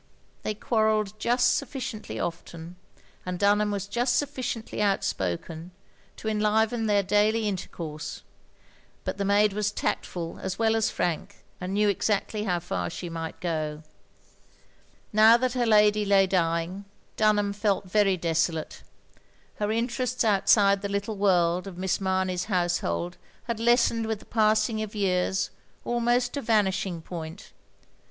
They quarrelled just sufficiently often, and Dunham was just suffi ciently outspoken, to enliven their daily inter course; but the maid was tactful as well as frank, and knew exactly how far she might go. OF GROSVENOR SQUARE 15 Now that her lady lay dying, Dtrnham felt very desolate ; her interests outside the little world of Miss Mamey's household had lessened with the passing of years almost to vanishing point.